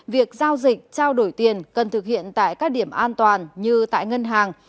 việc giao dịch trao đổi tiền cần thực hiện tại các điểm an toàn như tại ngân hàng